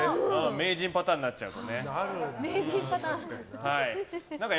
名人パターンになっちゃう。